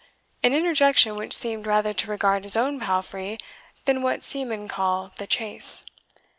an interjection which seemed rather to regard his own palfrey than what seamen call "the chase."